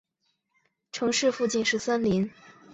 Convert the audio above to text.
城市附近是森林。